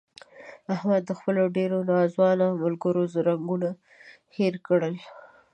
احمد د خپلو ډېرو ناځوانه ملګرو رنګون هیر کړل.